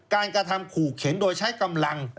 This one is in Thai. กระทำขู่เข็นโดยใช้กำลัง